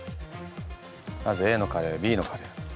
まずＡのカレーＢのカレー。